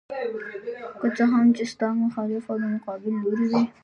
که څه هم چې ستا مخالف او د مقابل لوري وي.